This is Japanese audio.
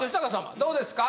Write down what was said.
どうですか？